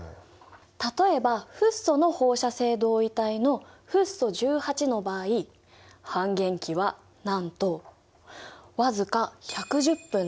例えばフッ素の放射性同位体のフッ素１８の場合半減期はなんと僅か１１０分なんだ。